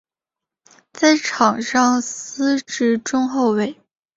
在场上司职中后卫。